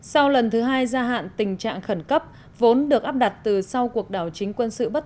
sau lần thứ hai gia hạn tình trạng khẩn cấp vốn được áp đặt từ sau cuộc đảo chính quân sự bất